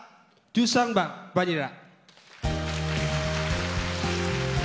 １３番「バニラ」。